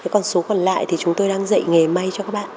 còn số còn lại thì chúng tôi đang dạy nghề may cho các bạn